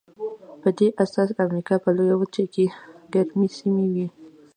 په دې اساس د امریکا په لویه وچه کې ګرمې سیمې وې.